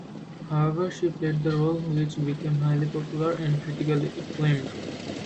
However she played the role which became highly popular and critically acclaimed.